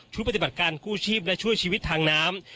ปฏิบัติการกู้ชีพและช่วยชีวิตทางน้ำ